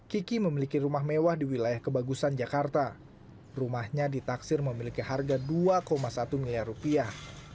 kiki memiliki rumah mewah di wilayah kebagusan jakarta rumahnya ditaksir memiliki harga dua satu miliar rupiah